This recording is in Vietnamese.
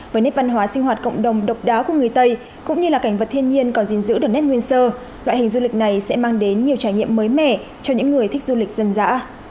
với nét văn hóa sinh hoạt cộng đồng độc đáo của người tây cũng như là cảnh vật thiên nhiên còn gìn giữ được nét nguyên sơ loại hình du lịch này sẽ mang đến nhiều trải nghiệm mới mẻ cho những người thích du lịch dân dã